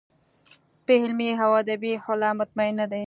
په علمي او ادبي حواله مطمین نه دی.